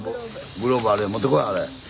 グローブあれ持ってこいあれ。